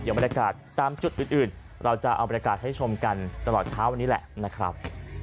บรรยากาศตามจุดอื่นเราจะเอาบรรยากาศให้ชมกันตลอดเช้าวันนี้แหละนะครับ